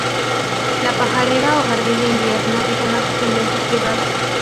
La pajarera o jardín de invierno y demás dependencias privadas.